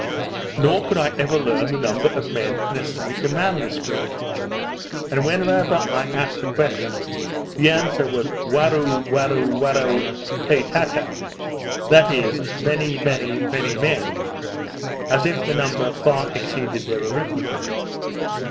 Nor could I ever learn the number of men necessary to man this fleet; and whenever I asked the question, the answer was Warou, warou, warou te Tata, that is, many, many, many, men; as if the number far exceeded their arithmetic.